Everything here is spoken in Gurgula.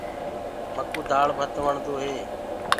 مڪوُ دآݪ ڀت وڻدو هي۔